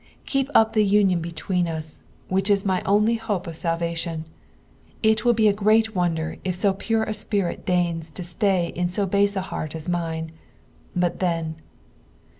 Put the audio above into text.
Keep up the union between us, which ia my only hope of saivation. It will be a (irca' wonder if BO pure a spirit doig na to slay in bo biise a heart as mine ; but then.